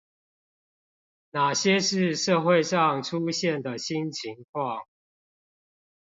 那些是社會上出現的新情況？